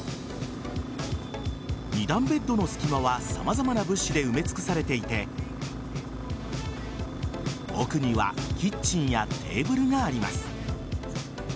２段ベッドの隙間は様々な物資で埋め尽くされていて奥にはキッチンやテーブルがあります。